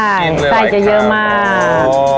กินเลยแหละค่ะไส้จะเยอะมากอ๋อ